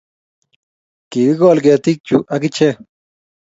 Kikigol ketig chu ak ichek